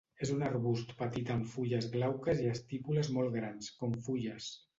És un arbust petit amb fulles glauques i estípules molt grans, com fulles.